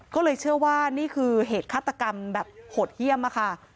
ก็เลยเชื่อว่านี่คือเหตุฆาตกรรมแบบโหดเยี่ยมค่ะ